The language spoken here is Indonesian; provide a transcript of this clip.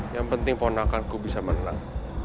yang penting ponakanku bisa menang